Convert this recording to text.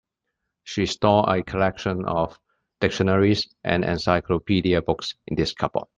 She stored a collection of dictionaries and encyclopedia books in this cupboard.